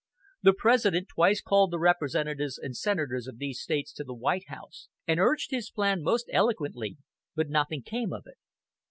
The President twice called the representatives and senators of these States to the White House, and urged his plan most eloquently, but nothing came of it.